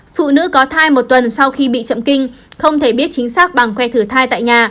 phụ nữ có thai một tuần sau khi bị chậm kinh không thể biết chính xác bằng khoe thử thai tại nhà